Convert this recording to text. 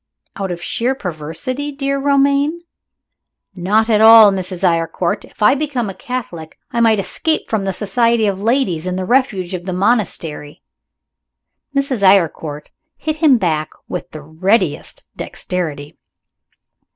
"Out of sheer perversity, dear Romayne?" "Not at all, Mrs. Eyrecourt. If I became a Catholic, I might escape from the society of ladies, in the refuge of a monastery." Mrs. Eyrecourt hit him back again with the readiest dexterity.